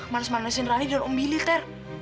manas manasin rani di dalam umbilik ter